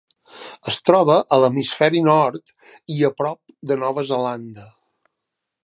Es troba a l'hemisferi nord i a prop de Nova Zelanda.